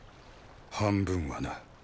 半分はな。